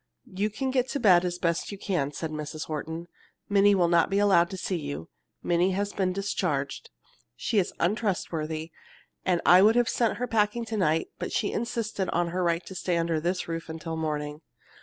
"You can get to bed as best you can," said Mrs. Horton. "Minnie will not be allowed to see you. Minnie has been discharged. She is untrustworthy, and I would have sent her packing to night, but she insisted on her right to stay under this roof until morning.